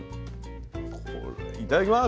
いただきます。